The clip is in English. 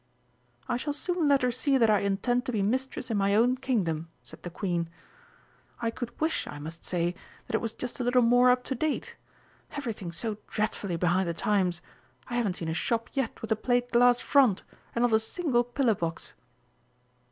"I shall soon let her see that I intend to be mistress in my own Kingdom," said the Queen. "I could wish, I must say, that it was just a little more up to date! Everything so dreadfully behind the times! I haven't seen a shop yet with a plate glass front, and not a single pillar box!"